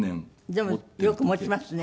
でもよくもちますね。